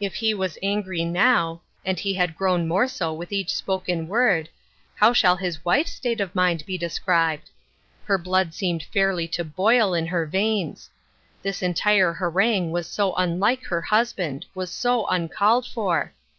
If he was angry now, and he had grown more so with each spoken word, how shall his wife's state of mind be described ? Her blood seemed fairly to boil in her veins. This entire harangue was so unlike her husband — was so uncalled for.